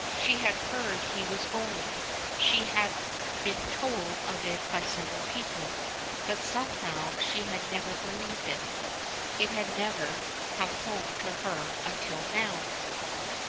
She had heard he was going, she had been told of it by several people, but somehow she had never believed it. It had never, come home to her until now.